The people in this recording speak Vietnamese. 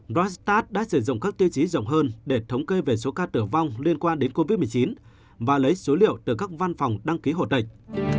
rostat đã sử dụng các tiêu chí rộng hơn để thống kê về số ca tử vong liên quan đến covid một mươi chín và lấy số liệu từ các văn phòng đăng ký hồ tịch